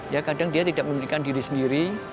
ya kadang dia tidak memiliki diri sendiri